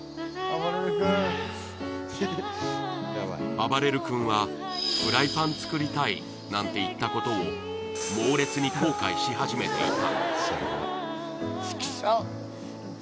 あばれる君はフライパン作りたいなんて言ったことを、猛烈に後悔し始めていた。